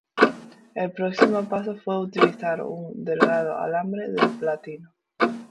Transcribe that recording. El próximo paso fue utilizar un delgado alambre de platino.